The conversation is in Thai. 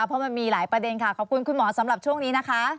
เพราะมันมีหลายประเด็นค่ะขอบคุณคุณหมอสำหรับช่วงนี้นะคะ